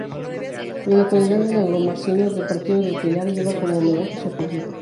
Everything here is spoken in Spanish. La localidad de Lagomarsino, del partido del Pilar, lleva como homenaje su apellido.